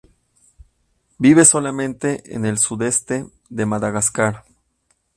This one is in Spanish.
Vive solamente en el sudeste de Madagascar.